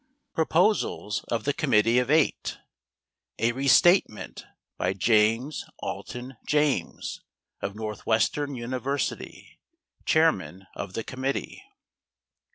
Proposals of the Committee of Eight A RESTATEMENT BY JAMES ALTON JAMES, OF NORTHWESTERN UNIVERSITY, CHAIRMAN OF THE COMMITTEE.